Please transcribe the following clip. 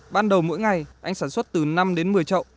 ban đầu mỗi ngày anh sản xuất từ năm đến một mươi chậu